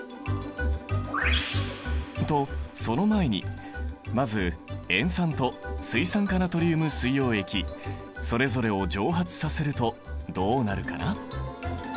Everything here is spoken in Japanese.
とその前にまず塩酸と水酸化ナトリウム水溶液それぞれを蒸発させるとどうなるかな？